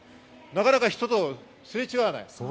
なかなか人とすれ違わない。